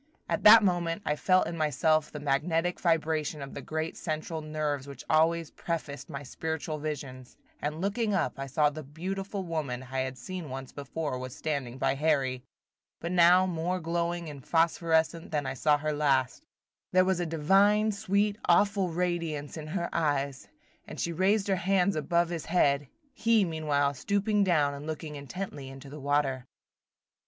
At that moment I felt in myself that magnetic vibration of the great central nerves which always prefaced my spiritual visions, and looking up I saw that the beautiful woman I had seen once before was standing by Harry, but now more glowing and phosphorescent than I saw her last; there was a divine, sweet, awful radiance in her eyes, as she raised her hands above his head, he, meanwhile, stooping down and looking intently into the water.